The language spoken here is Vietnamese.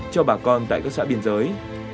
cho bà con tại các xã biên giới